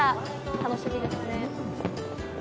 楽しみですね。